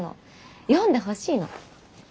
読んでほしいの。